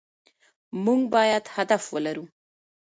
مونږ بايد هدف ولرو